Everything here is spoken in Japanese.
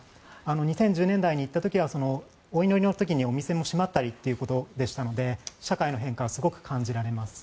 ２０１０年代に行った時にはお祈りの時にお店も閉まったりということでしたので社会の変化はすごく感じられます。